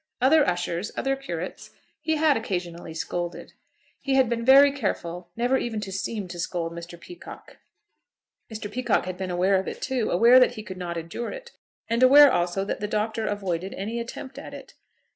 Other ushers, other curates, he had occasionally scolded. He had been very careful never even to seem to scold Mr. Peacocke. Mr. Peacocke had been aware of it too, aware that he could not endure it, and aware also that the Doctor avoided any attempt at it.